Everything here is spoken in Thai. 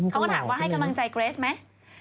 เขาก็ถามว่าให้กำลังใจเกรสไหม